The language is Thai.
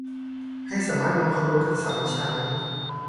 ให้สามารถนำความรู้ทักษะมาใช้